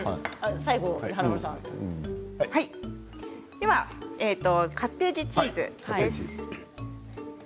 ではカッテージチーズです。